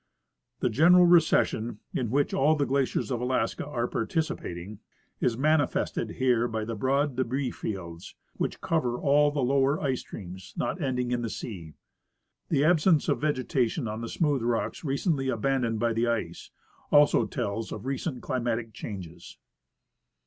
The general recession, in which all the glaciers of Alaska are participating, is manifested here by the broad debris fields, which cover all the lower ice streams not ending in the sea. The absence of vegetation on the smooth rocks recently aban doned by the ice also tells of recent climatic changes.